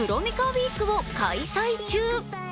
ＷＥＥＫを開催中。